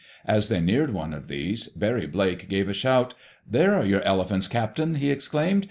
As they neared one of these, Barry Blake gave a shout. "There are your elephants, Captain!" he exclaimed.